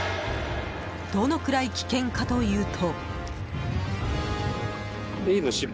どのくらい危険かというと。